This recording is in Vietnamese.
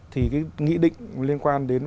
thì cái nghị định liên quan đến